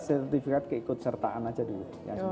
sertifikat keikutsertaan aja dulu